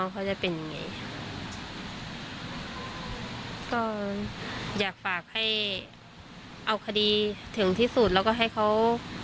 ก็อยากฝากให้เอาคดีถึงที่สุดแล้วก็ให้เขา